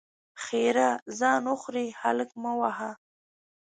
ښېرا: ځان وخورې؛ هلک مه وهه!